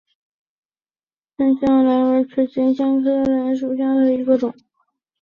香青兰为唇形科青兰属下的一个种。